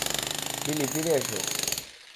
বিলি, ফিরে আসো!